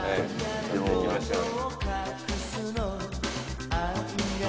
行きましょう。